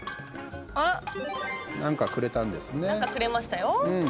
なんか、くれましたよ。